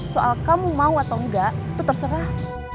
soal kamu mau atau enggak itu terserah